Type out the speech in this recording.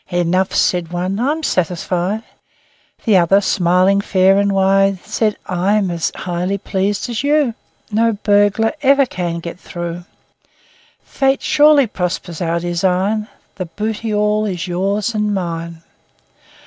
"Enough," said one: "I'm satisfied." The other, smiling fair and wide, Said: "I'm as highly pleased as you: No burglar ever can get through. Fate surely prospers our design The booty all is yours and mine."